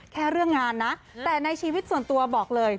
แค่เรื่องงานนะแต่ในชีวิตส่วนตัวบอกเลย